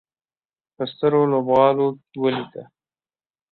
په سترو لوبغالو ولیکه